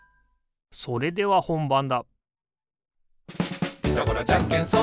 それではほんばんだおっ！